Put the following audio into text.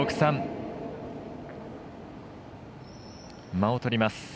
間をとります。